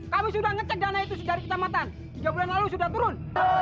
kami sudah ngecek dana itu dari kecamatan tiga bulan lalu sudah turun